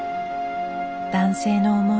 男性の思い